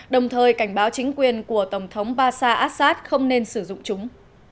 đồng thời cảnh báo chính quyền của tổng thống basar assad không nên sử dụng chúng